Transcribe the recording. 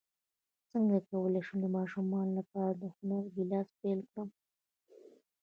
څنګه کولی شم د ماشومانو لپاره د هنر کلاس پیل کړم